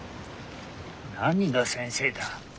何が先生だ。